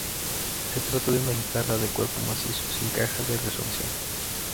Se trata de una guitarra de cuerpo macizo, sin caja de resonancia.